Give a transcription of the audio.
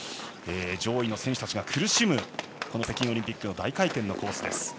上位の選手たちが苦しむ北京オリンピックの大回転のコースです。